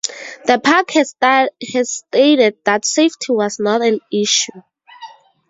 The park has stated that safety was not an issue.